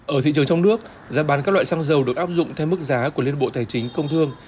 ở thị trường trong nước giá bán các loại xăng dầu được áp dụng theo mức giá của liên bộ tài chính công thương